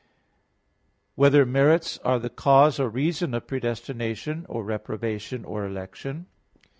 (5) Whether merits are the cause or reason of predestination, or reprobation, or election?